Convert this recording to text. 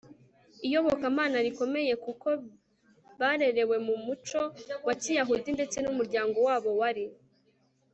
iyobokamana rikomeye kuko barerewe mu muco wa kiyahudi ndetse n'umuryango wabo wari